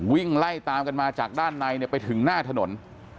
วิ่งไล่ตามกันมาจากด้านในไปถึงหน้าถนน